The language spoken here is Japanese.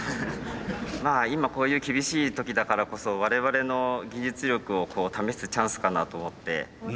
まあ今こういう厳しい時だからこそ我々の技術力を試すチャンスかなと思って。